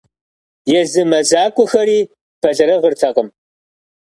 Езы мэзакӏуэхэри бэлэрыгъыртэкъым.